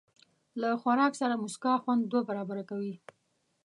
له خوراک سره موسکا، خوند دوه برابره کوي.